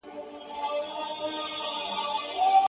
هغه به اوس جامع الکمالات راته وايي’